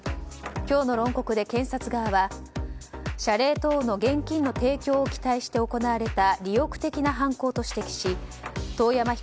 今日の論告で検察側は謝礼等の現金の提供を期待して行われた利欲的な犯行と指摘し遠山